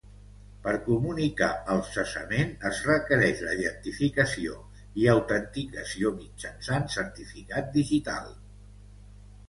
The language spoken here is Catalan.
Per comunicar el cessament es requereix la identificació i autenticació mitjançant certificat digital.